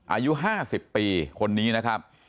อายุ๕๐ปีคนนี้นะครับ